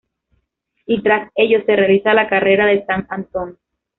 Y tras ello se realiza la Carrera de San Antón.